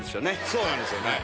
そうなんですよ。